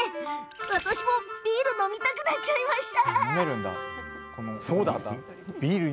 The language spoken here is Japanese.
私もビール飲みたくなっちゃいました。